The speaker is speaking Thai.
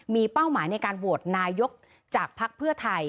มีเป้าหมายในการโหวตนายกจากภักดิ์เพื่อไทย